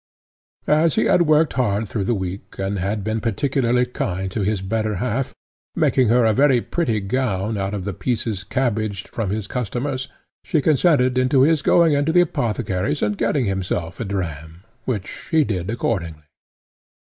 As he had worked hard through the week, and had been particularly kind to his better half, making her a very pretty gown out of the pieces cabbaged from his customers, she consented to his going into the apothecary's and getting himself a dram, which he did accordingly.